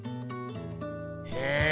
へえ。